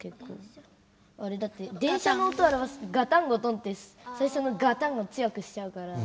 あれだって電車の音を表すガタンゴトンって最初のガタンが強くしちゃうから。